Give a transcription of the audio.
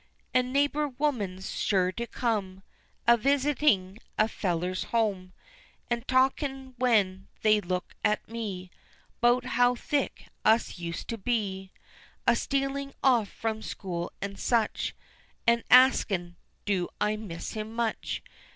An' neighbor women's sure to come A visitin' a feller's home, An' talkin' when they look at me 'Bout how thick us two used to be A stealin' off from school, an' such An' askin' "Do I miss him much?"